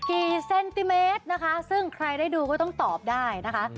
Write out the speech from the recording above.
เซนติเมตรนะคะซึ่งใครได้ดูก็ต้องตอบได้นะคะ